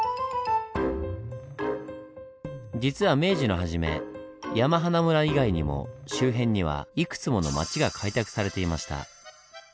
実は明治の初め山鼻村以外にも周辺にはいくつもの町が開拓されていました。